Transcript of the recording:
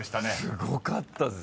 すごかったです。